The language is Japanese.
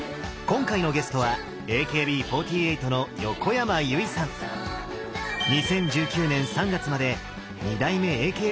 今回のゲストは２０１９年３月まで２代目